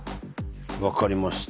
分かりました。